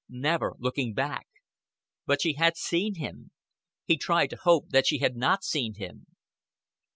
Never looking back. But she had seen him. He tried to hope that she had not seen him.